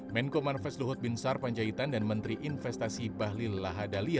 menkoman fesluhut bin sar panjaitan dan menteri investasi bahlil lahadalia